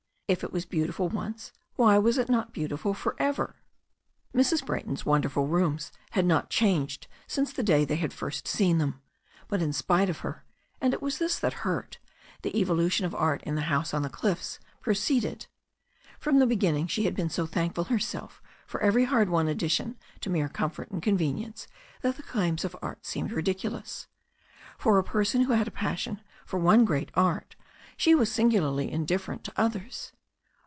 If it was beautiful once why was it not beautiful for ever? Mrs. Brayton's wonderful rooms had not been changed since the day they had first seen them. But in spite of her, and it was this that hurt, the evolution of art in the house on the cliffs had proceeded. From the beginning she had been so thankful herself for every hard won addition to mere comfort and convenience that the claims of art seemed ridiculous. For a person who had a passion for one great art she was singularly indiffer* ent to others.